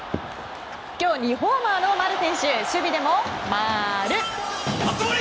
今日２ホーマーの丸選手守備でもマル！